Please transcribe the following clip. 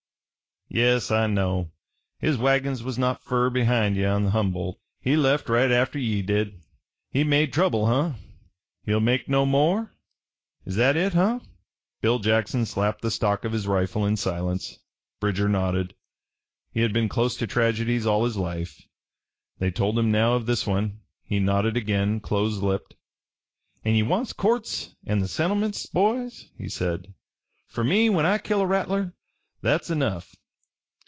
"Yes, I know. His wagons was not fur behind ye on the Humboldt. He left right atter ye did. He made trouble, huh? He'll make no more? Is that hit, huh?" Bill Jackson slapped the stock of his rifle in silence. Bridger nodded. He had been close to tragedies all his life. They told him now of this one. He nodded again, close lipped. "An' ye want courts an' the settlements, boys?" said he. "Fer me, when I kill a rattler, that's enough.